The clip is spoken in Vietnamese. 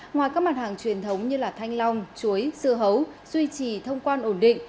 ngoài các mặt hàng truyền thống như thanh long chuối dưa hấu duy trì thông quan ổn định